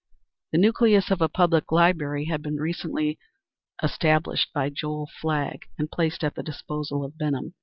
The nucleus of a public library had been recently established by Joel Flagg and placed at the disposal of Benham.